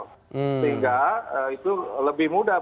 sehingga itu lebih mudah